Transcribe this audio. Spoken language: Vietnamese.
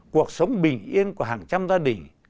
cuộc sống bình yên của hàng trăm gia đình